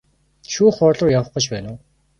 Шүүх хуралруу явах гэж байна уу?